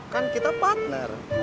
kan kita partner